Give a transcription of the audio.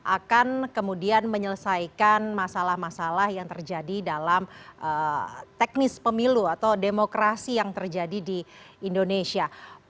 akan kemudian menyelesaikan masalah masalah yang terjadi dalam teknis pemilu atau demokrasi yang terjadi di indonesia